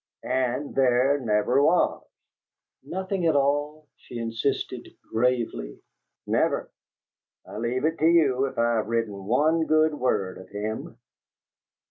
AND THERE NEVER WAS!" "Nothing at all?" she insisted, gravely. "Never! I leave it to you if I've written one good word of him."